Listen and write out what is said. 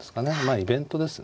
イベントですね